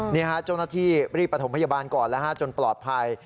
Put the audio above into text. นี้อาจโชคนาทีรีบประถงพยาบาลก่อนแล้วจนปลอดภัย